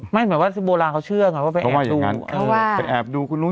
หมายคิดแบบโบราณเค้าเชื่อเสมอแอบดู